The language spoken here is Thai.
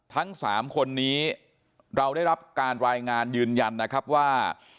ทั้ง๓คนนี้เราได้รับการรายงานยืนยันนะครับว่า